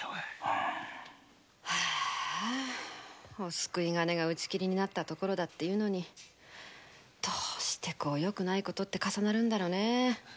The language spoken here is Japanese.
お救い金が打ち切りになったところなのにどうしてよくない事って重なるんだろうね。